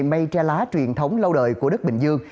mây tre lá truyền thống lâu đời của đức bình dương